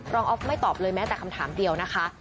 ออฟไม่ตอบเลยแม้แต่คำถามเดียวนะคะ